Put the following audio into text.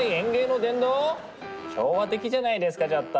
昭和的じゃないですかちょっと。